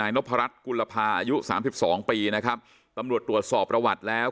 นพรัชกุลภาอายุสามสิบสองปีนะครับตำรวจตรวจสอบประวัติแล้ว